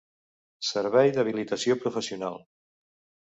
Servei d'habilitació professional